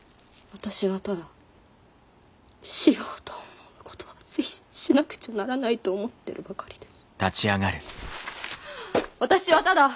私はただしようと思うことは是非しなくちゃならないと思ってるばかりです。